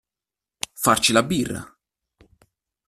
Farci la birra.